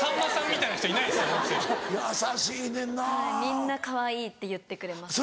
みんなかわいいって言ってくれます。